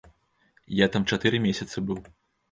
Я там чатыры месяцы быў.